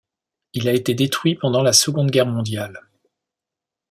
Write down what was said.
Il a été détruit pendant la Seconde Guerre mondiale.